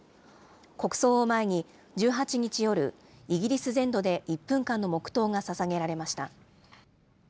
国葬を前に１８日夜、イギリス全土で１分間の黙とうがささげられました。